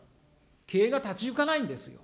経営が立ち行かないんです。